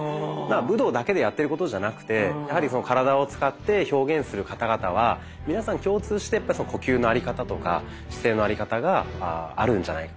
武道だけでやってることじゃなくてやはり体を使って表現する方々は皆さん共通して呼吸のあり方とか姿勢のあり方があるんじゃないか。